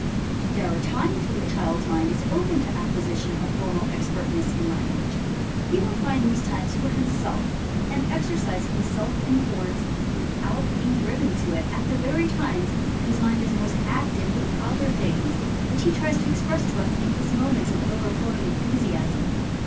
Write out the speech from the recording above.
There are times when the child's mind is open to acquisition of formal expertness in language. He will find these times for himself and exercise himself in forms without being driven to it at the very times when his mind is most active with other things which he tries to express to us in his moments of overflowing enthusiasm.